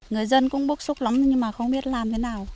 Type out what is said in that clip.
người dân cũng bức xúc lắm nhưng mà không biết làm thế nào